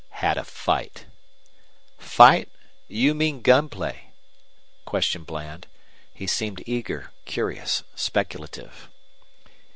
"Had a fight." "Fight? Do you mean gun play?" questioned Bland. He seemed eager, curious, speculative.